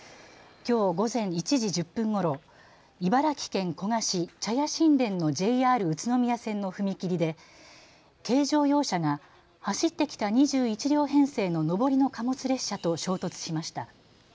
きょう午前１時１０分ごろ茨城県古河市茶屋新田のＪＲ宇都宮線の踏切で軽乗用車が走ってきた２１両編成の上りの貨物列車と衝突しました。